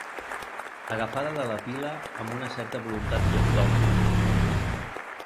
Agafada de la pila amb una certa voluntat cleptòmana.